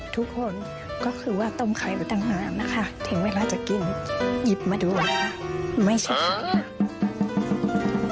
ทุกคนก็คือว่าต้มไข่มาเต็มเวลาไม่เท่าไหร่เลย่ะครับ